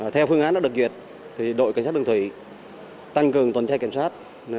theo phương án đã được duyệt thì đội cảnh sát đường thủy tăng cường tuần trai kiểm soát